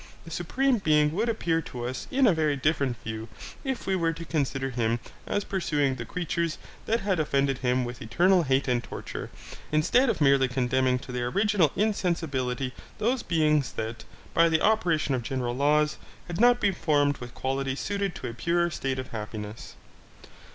The Supreme Being would appear to us in a very different view if we were to consider him as pursuing the creatures that had offended him with eternal hate and torture, instead of merely condemning to their original insensibility those beings that, by the operation of general laws, had not been formed with qualities suited to a purer state of happiness.